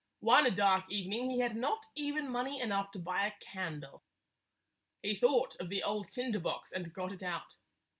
One dark evening he had not even money enough to buy a candle. He thought of the old tinder box and got it out.